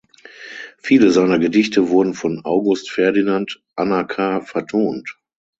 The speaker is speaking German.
Viele seiner Gedichte wurden von August Ferdinand Anacker vertont.